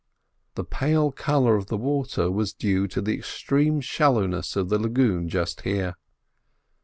The pale colour of the water was due to the extreme shallowness of the lagoon just here.